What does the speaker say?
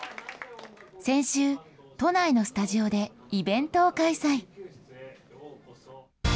先週、都内のスタジオでイベントを開催。